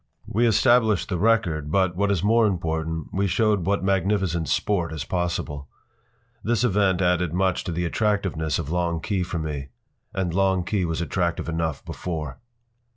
We established the record, but, what is more important, we showed what magnificent sport is possible. This advent added much to the attractiveness of Long Key for me. And Long Key was attractive enough before.